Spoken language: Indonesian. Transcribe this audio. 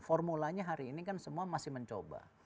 formulanya hari ini kan semua masih mencoba